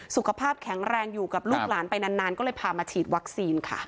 สุขภาพแข็งแรงอยู่กับลูกหลานไปนานก็เลยพามาฉีดวัคซีนค่ะ